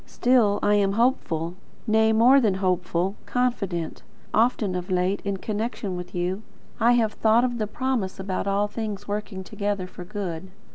Still I am hopeful, nay, more than hopeful, confident. Often of late, in connection with you, I have thought of the promise about all things working together for good.